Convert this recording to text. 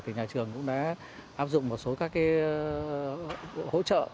thì nhà trường cũng đã áp dụng một số các hỗ trợ